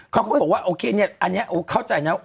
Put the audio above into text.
เขาก็บอกว่าโอเคเนี่ยอันนี้เข้าใจนะ